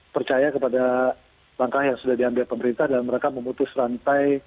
percaya kepada langkah yang sudah diambil pemerintah dan mereka memutus rantai